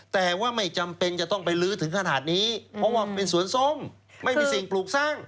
แต่ว่าไม่จำเป็นจะต้องไปลื้อถึงขนาดนี้เพราะว่าเป็นสวนส้มไม่มีสิ่งปลูกสร้าง